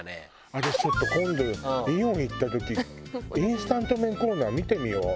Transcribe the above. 私ちょっと今度イオン行った時インスタント麺コーナー見てみよう。